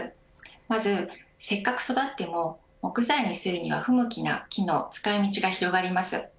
まず、せっかく育っても木材にするには不向きな木の使い道が広がります。